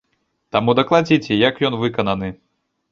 Таму дакладзіце, як ён выкананы.